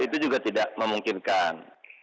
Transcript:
itu juga tidak memungkinkan